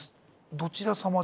どちら様で？